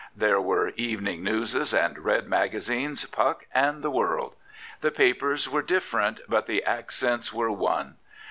There were Evening Newses, and Red Magazines, Puck, and the World, The papers were different, but the accents were one.